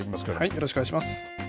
よろしくお願いします。